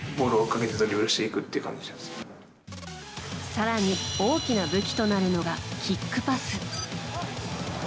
更に、大きな武器となるのがキックパス。